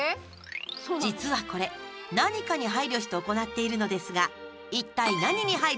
実はこれ何かに配慮して行っているのですが一体何に配慮している？